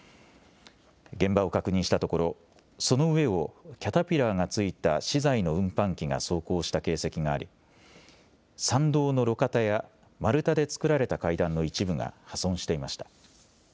現場を確認したところその上をキャタピラーがついた資材の運搬機が走行した形跡があり参道の路肩や丸太で作られた階段の一部が破損していました。